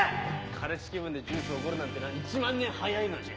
彼氏気分でジュースおごるなんてな１万年早いのじゃ。